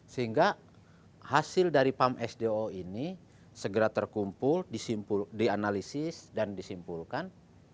sehingga hasil dari pam sdo ini segera terkumpul dianalisis dan disimpulkan